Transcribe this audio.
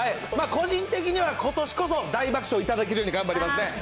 個人的にはことしこそ大爆笑いただけるよう、頑張りますね。